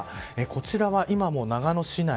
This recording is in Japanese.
こちらは今の長野市内